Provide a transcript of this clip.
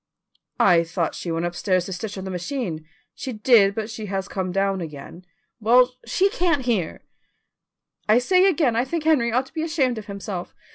"I thought she went upstairs to stitch on the machine." "She did, but she has come down again." "Well, she can't hear." "I say again I think Henry ought to be ashamed of himself.